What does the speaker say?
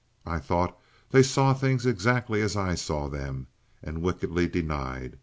I thought they saw things exactly as I saw them, and wickedly denied.